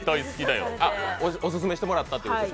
オススメしてもらったってこと？